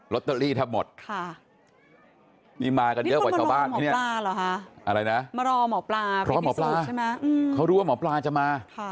ลอตเตอรี่ทั้งหมดค่ะนี่มากันเยอะกว่าเฉพาะบ้านนี่เนี่ยอะไรนะเพราะหมอปลาเขารู้ว่าหมอปลาจะมา